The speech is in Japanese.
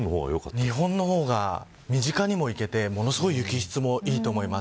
日本の方が身近にも行けてすごく雪質もいいと思います。